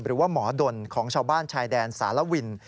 หรือว่าหมอดนของชาวบ้านชายแดนสารวิน